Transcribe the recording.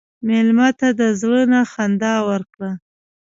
مېلمه ته د زړه نه خندا ورکړه.